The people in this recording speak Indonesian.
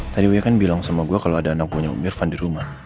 tadi uya kan bilang sama gue kalau ada anak buahnya om irfan di rumah